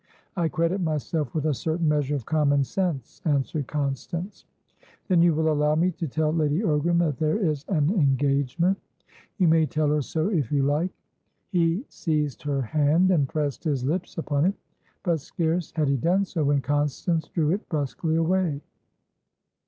"I credit myself with a certain measure of common sense," answered Constance. "Then you will allow me to tell Lady Ogram that there is an engagement?" "You may tell her so, if you like." He seized her hand, and pressed his lips upon it. But, scarce had he done so, when Constance drew it brusquely away.